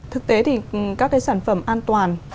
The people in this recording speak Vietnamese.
thực tế thì các cái sản phẩm an toàn